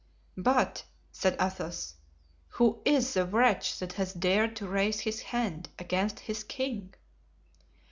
"But," said Athos, "who is the wretch that has dared to raise his hand against his king?"